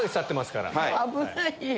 ⁉危ないよ。